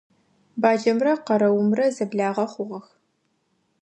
Баджэмрэ къэрэумрэ зэблагъэ хъугъэх.